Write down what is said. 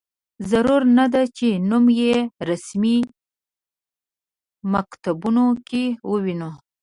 ضرور نه ده چې نوم په رسمي مکتوبونو کې ووینو.